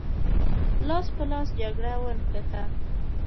لاس په لاس جګړه ونښته.